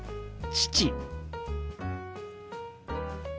父。